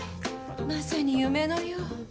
まさに夢のよう！